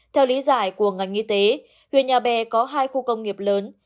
theo lý giải của ngành y tế huyện nhà bè có hai khu công nghiệp lớn